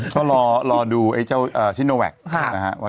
ก็รอดูไอ้เจ้าชิโนแวคว่าจะเข้ามา